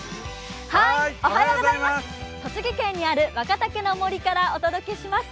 栃木県にある若竹の杜からお伝えします。